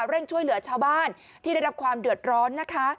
เร่งช่วยเหลือชาวบ้านที่ได้รับความเดือดร้อนนะคะ